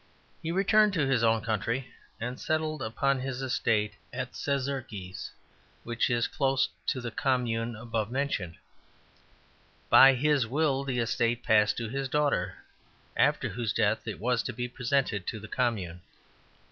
"He returned to his own country and settled upon his estate at Szekeres, which is close to the commune above mentioned. By his will the estate passed to his daughter, after whose death it was to be presented to the commune.